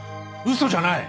嘘じゃない！